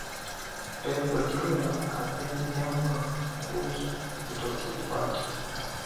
pep guardiola hapendi jambo la kufukuzwa litokea kwake